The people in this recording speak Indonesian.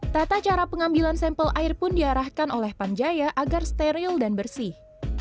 tata cara pengambilan sampel air pun diarahkan oleh pamjaya agar steril dan bersih